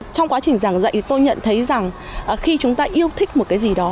trong quá trình giảng dạy tôi nhận thấy rằng khi chúng ta yêu thích một cái gì đó